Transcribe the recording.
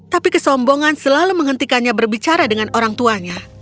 tapi kesombongan selalu menghentikannya berbicara dengan orang tuanya